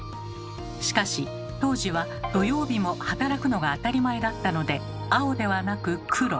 しかし当時は土曜日も働くのが当たり前だったので青ではなく黒。